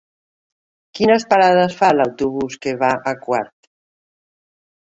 Quines parades fa l'autobús que va a Quart?